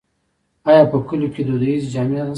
آیا په کلیو کې دودیزې جامې نشته؟